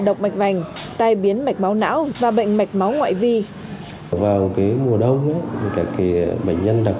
độc mạch vành tai biến mạch máu não và bệnh mạch máu ngoại vi vào mùa đông các bệnh nhân đặc